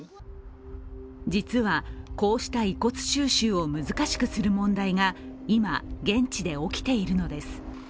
実は、こうした遺骨収集を難しくする問題が今、現地で起きているのです。